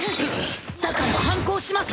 だから反抗します！